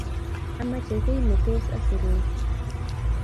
Amache kiy netos asirei